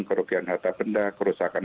kerugian harta benda kerusakan